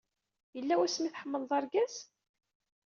Yella wasmi ay tḥemmleḍ argaz?